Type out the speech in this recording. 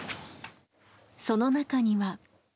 その中には。